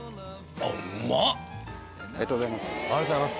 ありがとうございます。